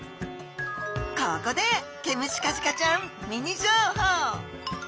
ここでケムシカジカちゃんミニ情報！